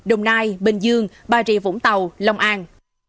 đồng nai bình dương bà rịa vũng tàu long an